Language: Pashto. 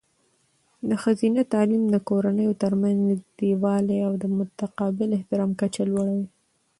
د ښځینه تعلیم د کورنیو ترمنځ نږدېوالی او د متقابل احترام کچه لوړوي.